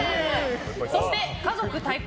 そして家族対抗！